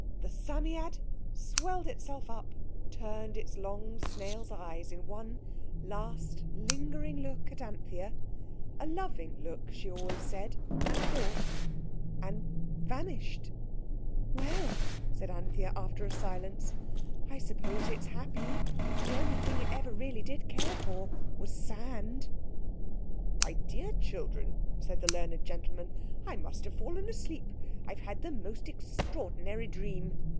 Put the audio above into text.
The Psammead swelled itself up, turned its long snail's eyes in one last lingering look at Anthea—a loving look, she always said, and thought—and—vanished. "Well," said Anthea, after a silence, "I suppose it's happy. The only thing it ever did really care for was sand." "My dear children," said the learned gentleman, "I must have fallen asleep. I've had the most extraordinary dream."